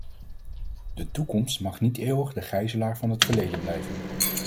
De toekomst mag niet eeuwig de gijzelaar van het verleden blijven.